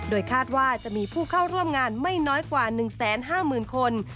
คาดว่าจะมีผู้เข้าร่วมงานไม่น้อยกว่า๑๕๐๐๐คน